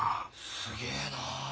すげえな。